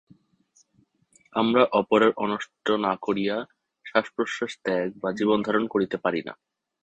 আমরা অপরের অনিষ্ট না করিয়া শ্বাসপ্রশ্বাস ত্যাগ বা জীবনধারণ করিতে পারি না।